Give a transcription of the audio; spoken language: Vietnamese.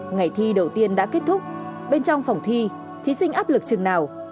ngày thi đầu tiên đã kết thúc bên trong phòng thi thí sinh áp lực chừng nào